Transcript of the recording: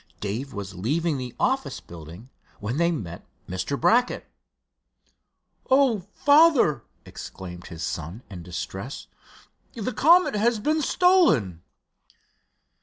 Dave was leaving the office building when they met Mr. Brackett. "Oh, father!" exclaimed his son, in distress, "the Comet has been stolen!"